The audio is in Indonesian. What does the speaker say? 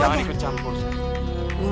jangan ikut campur sayang